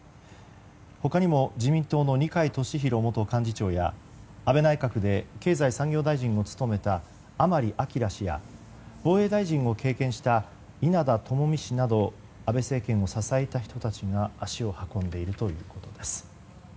他にも自民党の二階俊博元幹事長や安倍内閣で経済産業大臣を務めた甘利明氏や防衛大臣を経験した稲田朋美氏など安倍政権を支えた人たちが足を運んでいるということです。